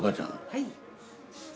はい。